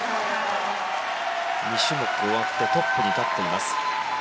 ２種目終わってトップに立っています。